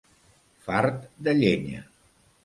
Fart de llenya.